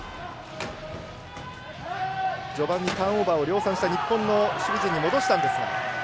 序盤でターンオーバーを量産した日本の守備陣戻したんですが。